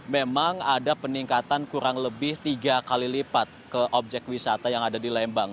memang ada peningkatan kurang lebih tiga kali lipat ke objek wisata yang ada di lembang